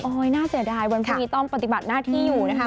น่าเสียดายวันพรุ่งนี้ต้องปฏิบัติหน้าที่อยู่นะคะ